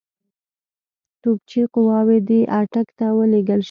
توپچي قواوې دي اټک ته ولېږل شي.